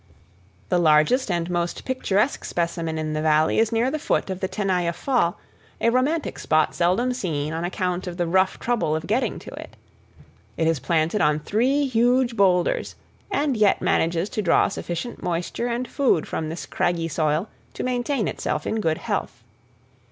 The largest and most picturesque specimen in the Valley is near the foot of the Tenaya Fall, a romantic spot seldom seen on account of the rough trouble of getting to it. It is planted on three huge boulders and yet manages to draw sufficient moisture and food from this craggy soil to maintain itself in good health.